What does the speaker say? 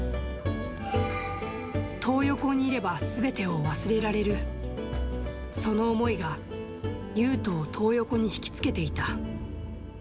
トー横にいれば、すべてを忘れられる、その思いがユウトをトー横に引き付けていた。